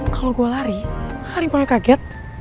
kalau gue lari hari yang paling kaget